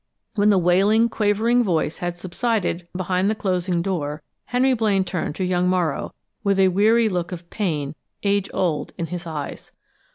When the wailing, quavering voice had subsided behind the closing door, Henry Blaine turned to young Morrow with a weary look of pain, age old, in his eyes.